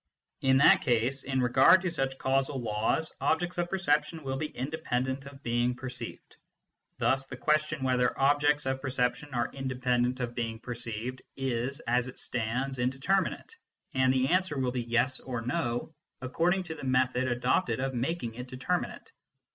In that case, in regard to such causal laws objects of perception will be independent of being perceived. Thus the question whether objects of per ception are independent of being perceived is, as it stands, indeterminate, and the answer will be yes or no according to the method adopted of making it determinate.